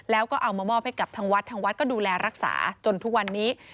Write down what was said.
แล้วก็เอามามอบให้กับทางวัดทางวัดก็ดูแลรักษาจนทุกวันนี้